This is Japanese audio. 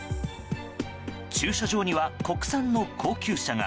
駐車場には国産の高級車が。